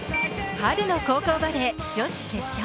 春の高校バレー、女子決勝。